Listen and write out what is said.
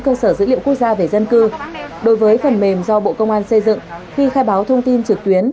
cơ sở dữ liệu quốc gia về dân cư đối với phần mềm do bộ công an xây dựng khi khai báo thông tin trực tuyến